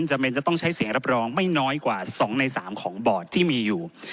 จำเป็นจะต้องใช้เสียงรับรองไม่น้อยกว่า๒ใน๓ของบอร์ดที่มีอยู่